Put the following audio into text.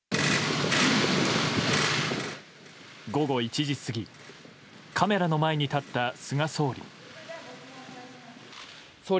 午後１時過ぎ、カメラの前に立った菅総理。